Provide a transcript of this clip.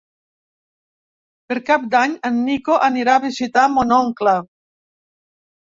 Per Cap d'Any en Nico anirà a visitar mon oncle.